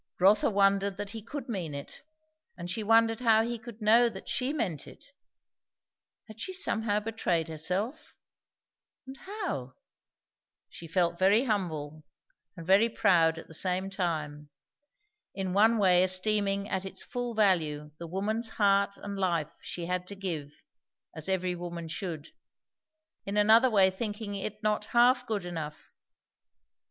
Rotha wondered that he could mean it, and she wondered how he could know that she meant it. Had she somehow betrayed herself? and how? She felt very humble, and very proud at the same time; in one way esteeming at its full value the woman's heart and life she had to give, as every woman should; in another way thinking it not half good enough.